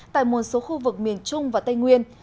tại một số khu vực miền trung và tây nguyên